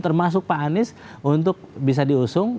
termasuk pak anies untuk bisa diusung